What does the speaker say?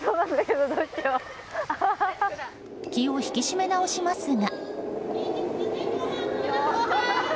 気を引き締め直しますが。